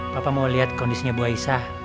papa mau liat kondisinya bu aisyah